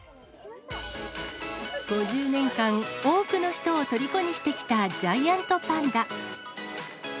５０年間、多くの人をとりこにしてきたジャイアントパンダ。